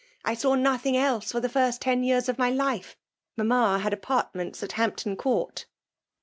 ^ I saw nothing else for the first ten y^tfs of my life. Mamma had apartments at Hampton Court."